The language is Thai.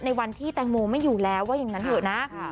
ในวันที่แตงโมไม่อยู่แล้วว่าอย่างนั้นเถอะนะ